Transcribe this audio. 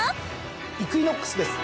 イクイノックスです。